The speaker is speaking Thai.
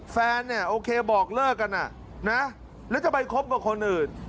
แฟนเนี่ยโอเคบอกเลิกกันแล้วจะไปคบกับคนอื่น